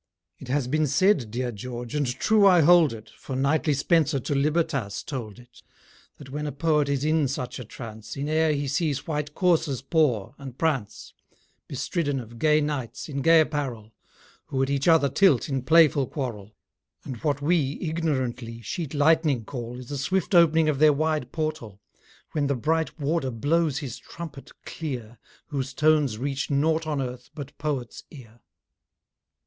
It has been said, dear George, and true I hold it, (For knightly Spenser to Libertas told it,) That when a Poet is in such a trance, In air he sees white coursers paw, and prance, Bestridden of gay knights, in gay apparel, Who at each other tilt in playful quarrel, And what we, ignorantly, sheet lightning call, Is the swift opening of their wide portal, When the bright warder blows his trumpet clear, Whose tones reach nought on earth but Poet's ear.